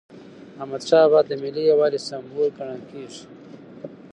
احمدشاه بابا د ملي یووالي سمبول ګڼل کېږي.